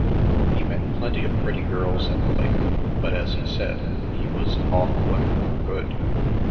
He met plenty of pretty girls at the lake, but, as he said, he was "off women for good."